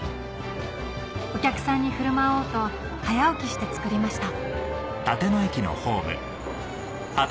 お客さんに振る舞おうと早起きして作りました